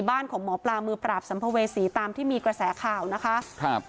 บ้านของหมอปลามือปราบสัมภเวษีตามที่มีกระแสข่าวนะคะครับ